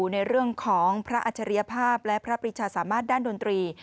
ในเรื่องของพระอัจฉริยภาพและพระปริชาสามารถด้านดนตรี